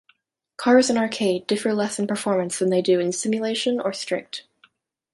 Cars in Arcade differ less in performance than they do in Simulation or Strict.